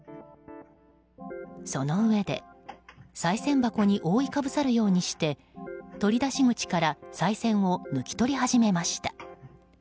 そのうえで、さい銭箱に覆いかぶさるようにして取り出し口から、さい銭を抜き取り始めました。